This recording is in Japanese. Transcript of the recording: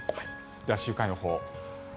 では週間予報。